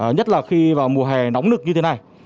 nhất là khi vào mùa hè nóng lực như thế này